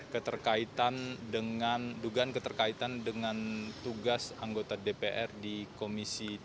keterkaitan dengan tugas anggota dpr di komisi tujuh